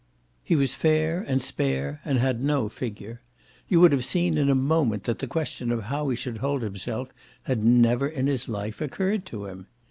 He was fair and spare and had no figure; you would have seen in a moment that the question of how he should hold himself had never in his life occurred to him.